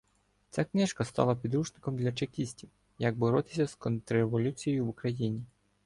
Ця книжка стала підручником для чекістів — як боротися з "контрреволюцією" в Україні.